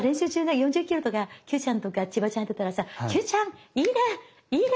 ４０ｋｍとかＱちゃんとかちばちゃんやってたらさ「Ｑちゃんいいねいいね！」